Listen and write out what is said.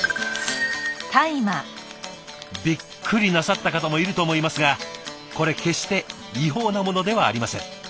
びっくりなさった方もいると思いますがこれ決して違法なものではありません。